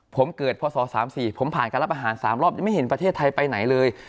ผมเกิดพศ๓๔ผมผ่านการรับอาหาร๓รอบยังไม่เห็นประเทศไทยไปไหนเลย